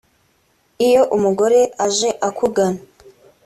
“Iyo umugore aje akugana